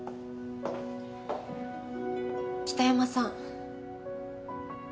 北山さん。